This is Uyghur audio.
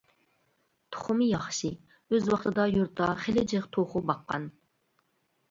تۇخۇمى ياخشى، ئۆز ۋاقتىدا يۇرتتا خېلى جىق توخۇ باققان.